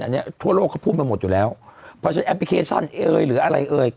อันนี้ทั่วโลกเขาพูดมาหมดอยู่แล้วเพราะฉะนั้นแอปพลิเคชันเอ่ยหรืออะไรเอ่ย